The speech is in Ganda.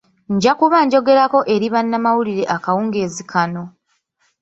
Nja kuba njoegerako eri bannamawulire akawungenzi kano.